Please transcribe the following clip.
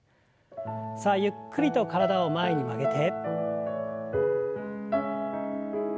さあゆっくりと体を前に曲げて。